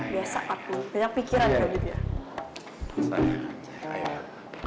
biasa papi banyak pikiran kayak gitu ya